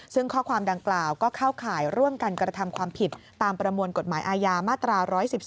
ซึ่งข้อความดังกล่าวก็เข้าข่ายร่วมกันกระทำความผิดตามประมวลกฎหมายอาญามาตรา๑๑๒